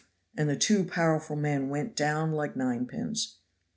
and the two powerful men went down like ninepins.